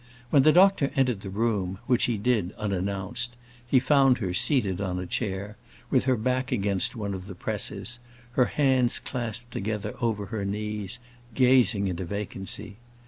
When the doctor entered the room, which he did unannounced, he found her seated on a chair, with her back against one of the presses, her hands clasped together over her knees, gazing into vacancy.